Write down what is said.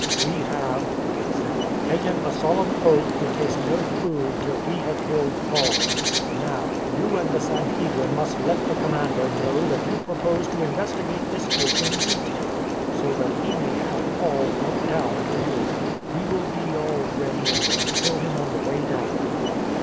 *' We have," they said, " taken a solemn oath to taste no food till we have killed Paul. Now, you and the Sanhedrin must let the commander know that you propose to investigate this case in detail, so that he may have Paul brought down to you. We will be all ready and will kill him on the way down."